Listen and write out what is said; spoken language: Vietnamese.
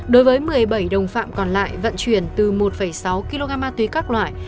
đối với một mươi bảy đồng phạm còn lại vận chuyển từ một sáu kg ma túy các loại